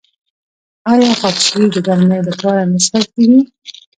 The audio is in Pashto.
آیا خاکشیر د ګرمۍ لپاره نه څښل کیږي؟